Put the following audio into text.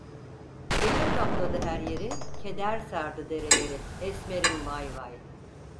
Gece kapladı her yeri, keder sardı dereleri, esmerim vay vay.